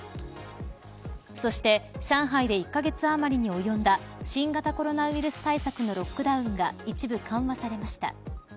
そして、上海で１カ月余りに及んだ新型コロナウイルス対策のロックダウンが一部緩和されました。